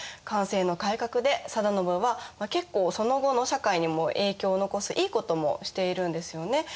寛政の改革で定信は結構その後の社会にも影響を残すいいこともしているんですよね。